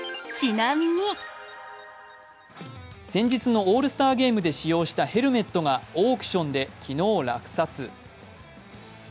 先日のオールスターゲームで使用したヘルメットがオークションで昨日、落札。